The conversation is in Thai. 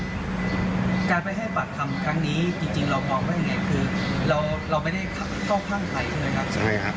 การไปให้บัตรทำครั้งนี้จริงจริงเรามองว่าอย่างเงี้ยคือเราเราไม่ได้เข้าข้างใครเลยครับ